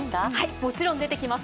もちろん出てきます。